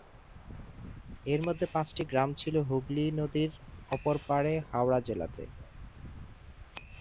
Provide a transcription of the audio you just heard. এর মধ্যে পাঁচটি গ্রাম ছিলো হুগলী নদীর অপর পাড়ে হাওড়া জেলাতে।